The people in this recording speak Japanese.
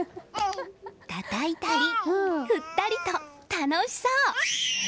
たたいたり振ったりと楽しそう！